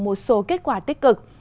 một số kết quả tích cực